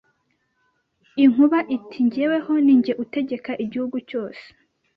Inkuba iti nJyewe ni jye utegeka igihugu cyose